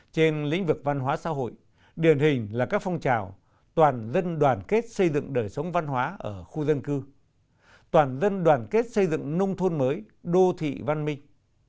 trên lĩnh vực văn hóa xã hội điển hình là các phong trào toàn dân đoàn kết xây dựng đời sống văn hóa ở khu dân cư toàn dân đoàn kết xây dựng nông thôn mới đô thị văn minh